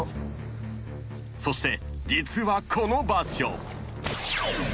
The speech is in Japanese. ［そして実はこの場所］